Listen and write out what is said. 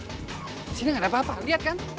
di sini nggak ada apa apa lihat kan